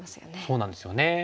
そうなんですよね。